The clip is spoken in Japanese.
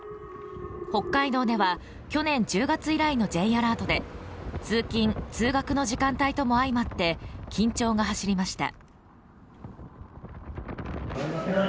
北海道では去年１０月以来のＪアラートで通勤・通学の時間帯とも相まって、緊張が走りました。